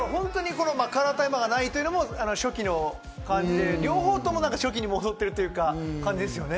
カラータイマーがないというのも初期の感じで、両方初期に戻ってるという感じですよね。